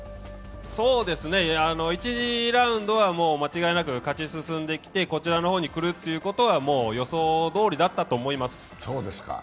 １次ラウンドは、もう間違いなく勝ち進んできて、こちらの方に来るということはもう予想どおりだったと思います。